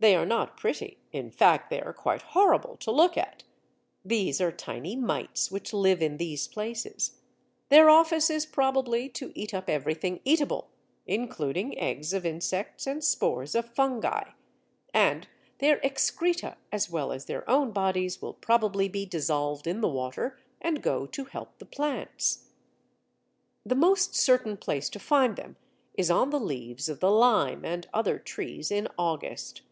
They are not pretty; in fact they are quite horrible to look at. These are tiny mites which live in these places. Their office is probably to eat up everything eatable (including eggs of insects and spores of fungi), and their excreta as well as their own bodies will probably be dissolved in the water and go to help the plants. The most certain place to find them is on the leaves of the lime and other trees in August.